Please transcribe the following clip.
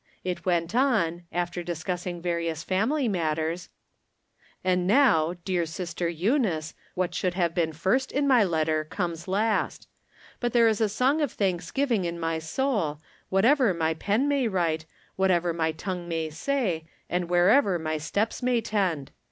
It went on, after discussing var ious family matters : And now, dear Sister Eunice, what should have been first in my letter, comes last. But there is a song of thanksgiving in my soul, what ever my pen may write, whatever my tongue may say, and wherever my steps may tend.